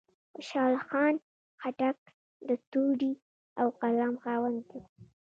خوشحال خان خټک د تورې او قلم خاوند و.